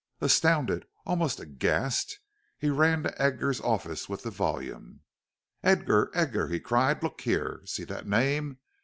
_ Astounded, almost aghast, he ran to Edgar's office with the volume. "Edgar! Edgar!" he cried; "look here! See that name!